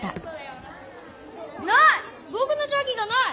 ない！